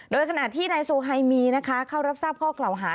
โดยขณะที่นายโซไฮมีนะคะเข้ารับทราบข้อกล่าวหา